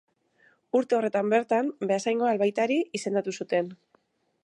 Urte horretan bertan, Beasaingo albaitari izendatu zuten.